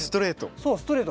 そうストレート。